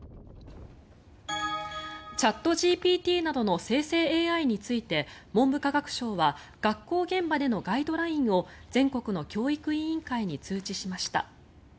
チャットＧＰＴなどの生成ＡＩについて文部科学省は学校現場でのガイドラインを全国の教育委員会に通知しました。